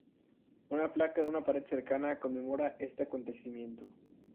Una placa en una pared cercana conmemora este acontecimiento.